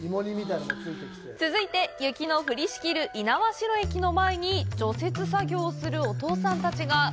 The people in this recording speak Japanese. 続いて、雪の降りしきる猪苗代駅の前に除雪作業をするお父さんたちが。